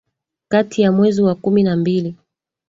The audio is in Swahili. kati ya mwezi wa kumi na mbili